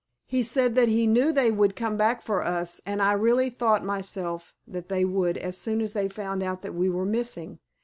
He said that he knew they would come back for us and I really thought myself that they would as soon as they found that we were missing.